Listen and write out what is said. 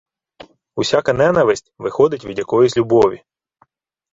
Усяка ненависть виходить від якоїсь любові.